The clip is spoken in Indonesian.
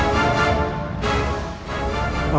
aku harus mengawalnya